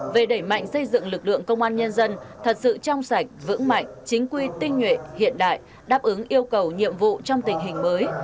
về đẩy mạnh xây dựng lực lượng công an nhân dân thật sự trong sạch vững mạnh chính quy tinh nhuệ hiện đại đáp ứng yêu cầu nhiệm vụ trong tình hình mới